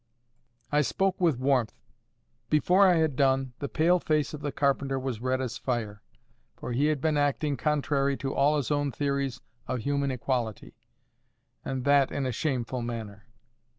I spoke with warmth. Before I had done, the pale face of the carpenter was red as fire; for he had been acting contrary to all his own theories of human equality, and that in a shameful manner.